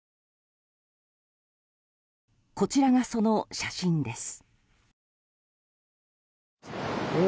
こちらが、その写真です。